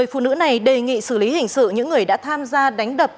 phụ nữ này đề nghị xử lý hình sự những người đã tham gia đánh đập